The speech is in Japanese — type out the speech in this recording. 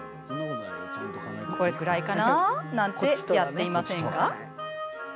これくらいかな？なんてやっていませんか？